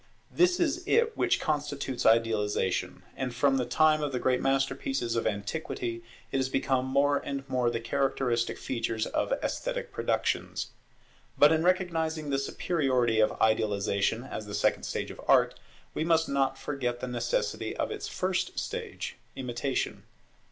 This it is which constitutes Idealization; and from the time of the great masterpieces of antiquity, it has become more and more the characteristic feature of esthetic productions. But in recognizing the superiority of Idealization as the second stage of Art, we must not forget the necessity of its first stage, Imitation.